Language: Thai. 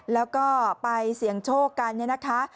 แล้วก็ไปเสี่ยงโชคกันเนี่ยนะคะ